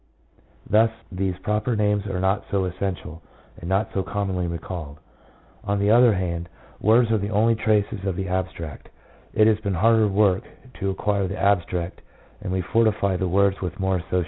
Thus these proper names are not so essential, and not so commonly recalled. On the other hand, words are the only traces of the abstract. It has been harder work to acquire the abstract, and we fortify the words with more associations.